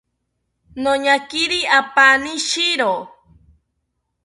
Noñakiri apaani shiro